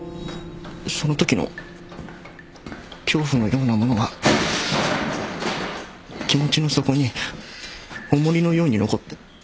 そのときの恐怖のようなものが気持ちの底に重荷のように残って。